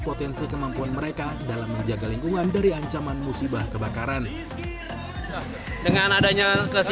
potensi kemampuan mereka dalam menjaga lingkungan dari ancaman musibah kebakaran dengan adanya lokasi